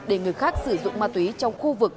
để người khác sử dụng ma túy trong khu vực